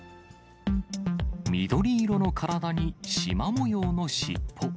緑色の体にしま模様の尻尾。